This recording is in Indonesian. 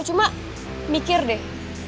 cuma mikir deh